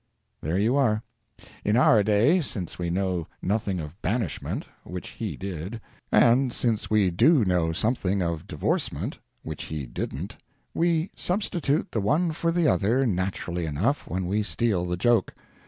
There you are. In our day, since we know nothing of banishment (which he did), and since we do know something of divorcement (which he didn't), we substitute the one for the other naturally enough when we steal the joke.